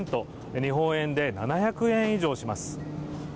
日本円で７００円以上します。